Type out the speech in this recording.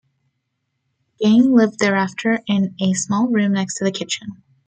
Gein lived thereafter in a small room next to the kitchen.